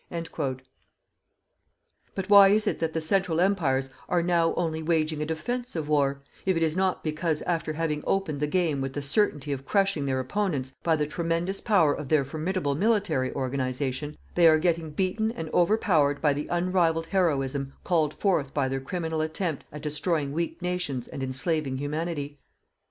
_" But why is it that the Central Empires are now only waging a defensive war, if it is not because after having opened the game with the certainty of crushing their opponents by the tremendous power of their formidable military organization, they are getting beaten and overpowered by the unrivalled heroism called forth by their criminal attempt at destroying weak nations and enslaving Humanity?